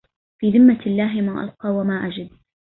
في ذمة الله ما ألقى وما أجد